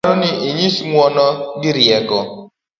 barupe gi dwaro ni inyis ng'uono gi rieko